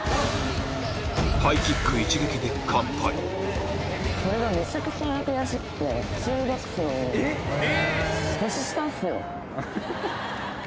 ・ハイキック一撃でえっ！え！